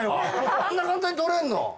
あんな簡単に取れるの？